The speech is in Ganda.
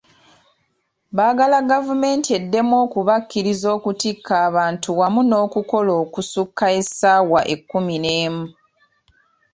Baagala gavumenti eddemu okubakkiriza okutikka abantu wamu n'okukola okusukka essaawa ekkumi n'emu.